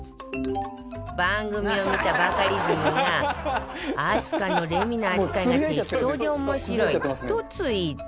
番組を見たバカリズムが「明日香のレミの扱いが適当で面白い」とツイート